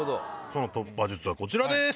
その突破術はこちらです。